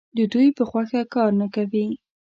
د دوی په خوښه کار نه کوي.